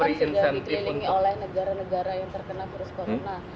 indonesia kan sudah dikelilingi oleh negara negara yang terkena virus corona